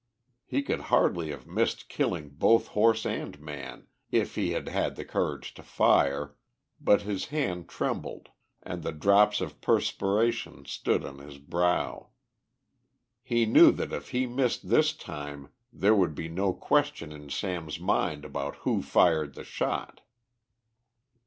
He could hardly have missed killing both horse and man if he had had the courage to fire, but his hand trembled, and the drops of perspiration stood on his brow. He knew that if he missed this time, there would be no question in Sam's mind about who fired the shot.